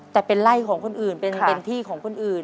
แต่เป็นไล่ของคนอื่นเป็นที่ของคนอื่น